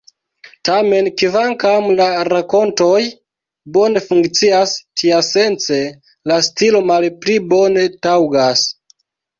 Tamen, kvankam la rakontoj bone funkcias tiasence, la stilo malpli bone taŭgas.